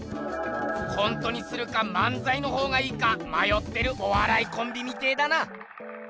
コントにするか漫才のほうがいいかまよってるおわらいコンビみてえだな！